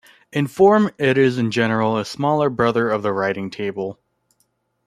In form it is in general a smaller brother of the writing table.